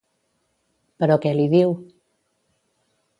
Però què li diu?